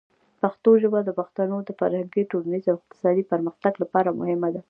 پښتو ژبه د پښتنو د فرهنګي، ټولنیز او اقتصادي پرمختګ لپاره مهمه ده.